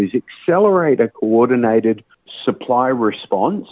untuk menguatkan respon penyelenggaraan yang berkoordinasi